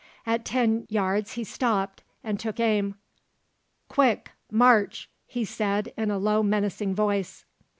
At ten yards he stopped and took aim. "Quick march!" he said in a low menacing voice.